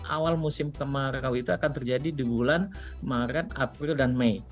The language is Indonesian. awal musim kemarau itu akan terjadi di bulan maret april dan mei